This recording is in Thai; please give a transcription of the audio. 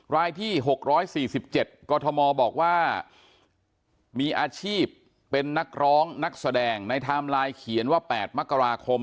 รายที่๖๔๗กรทมบอกว่ามีอาชีพเป็นนักร้องนักแสดงในไทม์ไลน์เขียนว่า๘มกราคม